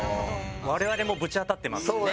我々もぶち当たってますよね。